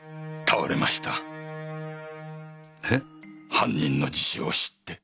犯人の自首を知って。